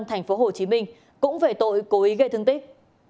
thành phố hồ chí minh cũng về tội cố ý gây thương tích